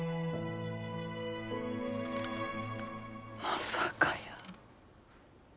まさかやー。